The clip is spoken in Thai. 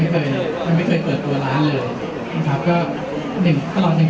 เป็นวงที่ต้องบอกว่ามีแฟนคลับเยอะมาก